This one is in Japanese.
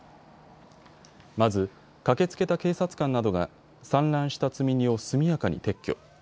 まず、駆けつけた警察官などが散乱した積み荷を速やかに撤去。